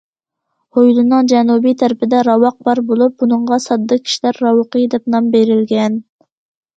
ھويلىنىڭ جەنۇبىي تەرىپىدە راۋاق بار بولۇپ، بۇنىڭغا« ساددا كىشىلەر راۋىقى» دەپ نام بېرىلگەن.